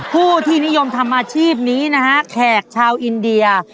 ผู้ที่นิยมทำอาชีพนี้นะฮะแขกชาวอินเดีย